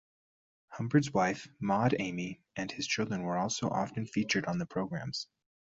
Humbard's wife, Maude Aimee, and his children were also often featured on the programs.